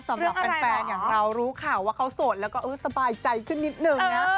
สำหรับแฟนอย่างเรารู้ข่าวว่าเขาโสดแล้วก็สบายใจขึ้นนิดนึงนะฮะ